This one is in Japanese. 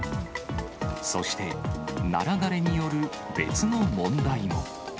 そして、ナラ枯れによる別の問題も。